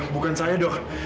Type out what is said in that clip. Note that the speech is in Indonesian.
bukan saya dok